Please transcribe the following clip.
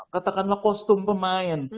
katakanlah kostum pemain